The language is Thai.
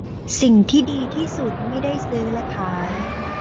สิ่งที่ดีที่สุดไม่ได้ซื้อและขาย